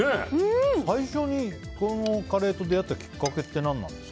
最初にこのカレーと出会ったきっかけは何ですか？